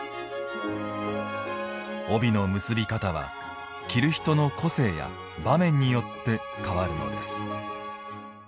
帯の結び方は、着る人の個性や場面によって変わるのです。